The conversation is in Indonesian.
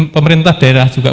pemerintah daerah juga